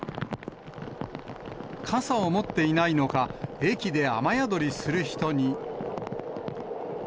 傘を持っていないのか、駅で雨宿りする人に。